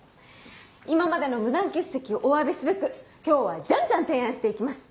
今までの無断欠席をお詫びすべく今日はジャンジャン提案して行きます。